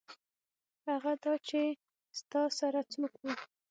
هغه دا چې ستا سره څوک وو.